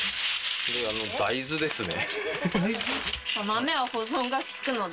これ、大豆ですね。